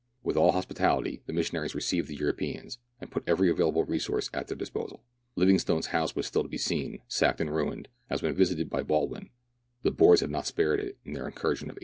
With all hospitality the missionaries received the Europeans, and put every available resource at their disposal. Livingstone's house was still to be seen, sacked and ruined, as when visited by Baldwin ; the Boers had not spared it in their incursion of 1852.